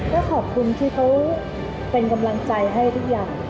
ก็ขอบคุณที่เขาเป็นกำลังใจให้ทุกอย่าง